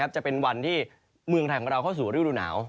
จะเป็นวันที่เมืองไทยของเราเข้าสู่ฤดูหนาว